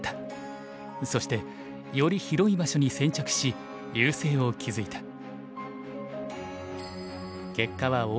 そしてより広い場所に先着し優勢を築いた。